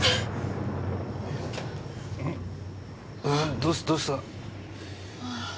どうした？